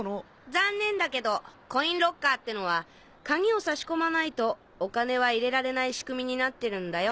残念だけどコインロッカーってのは鍵をさし込まないとお金は入れられない仕組みになってるんだよ。